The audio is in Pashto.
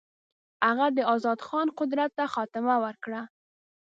هغه د آزاد خان قدرت ته خاتمه ورکړه.